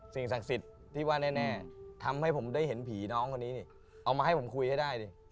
สิ่งศักดิ์สิทธิ์ที่ว่าแน่ทำให้ผมได้เห็นผีน้องคนนี้นี่เอามาให้ผมคุยให้ได้ดิ